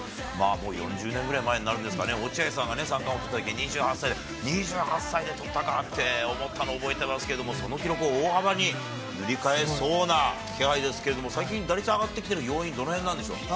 もう４０年ぐらい前になるんですかね、落合さんが三冠王とったとき２８歳で、２８歳でとったかって思ったのを覚えてますけど、その記録を大幅に塗り替えそうな気配ですけれども、最近、打率上がっている要因、どのへんなんでしょうか。